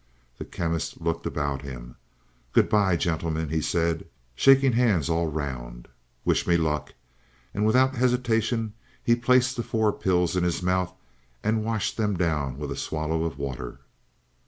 The Chemist looked about him. "Good by, gentlemen," he said, shaking hands all round. "Wish me luck," and without hesitation he placed the four pills in his mouth and washed them down with a swallow of water.